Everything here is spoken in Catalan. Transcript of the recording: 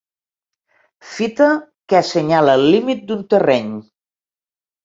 Fita que assenyala el límit d'un terreny.